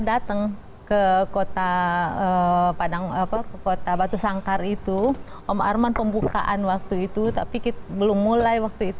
dateng ke kota padang apa ke kota batu sangkar itu om arman pembukaan waktu itu tapi belum mulai